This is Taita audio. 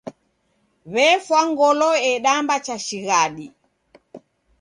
W'efwa ngolo edamba cheshighadi.